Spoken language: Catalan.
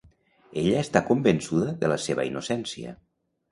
Ella està convençuda de la seva innocència.